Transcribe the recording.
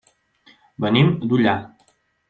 Venim d'Ullà.